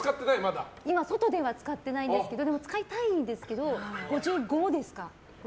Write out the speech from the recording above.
外では使ってないんですけどでも使いたいんですけど５５ですか？